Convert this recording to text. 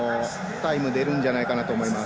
タイム出るんじゃないかと思います。